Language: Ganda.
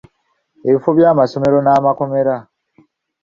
Ebifo by'amasomero n'amakolero.